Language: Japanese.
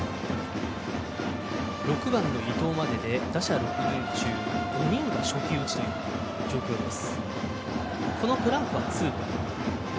６番の伊藤までで打者６人中５人が初球、打ちという状況です。